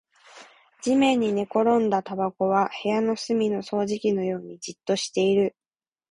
地面に寝転んだタバコは部屋の隅の掃除機のようにじっとしている